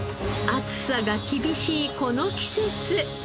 暑さが厳しいこの季節。